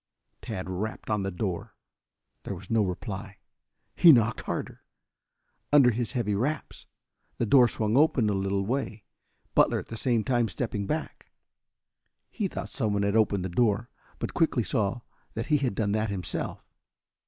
Tad rapped on the door. There was no reply. He knocked harder. Under his heavy raps the door swung open a little way, Butler at the same time stepping back. He thought someone had opened the door, but quickly saw that he had done that himself.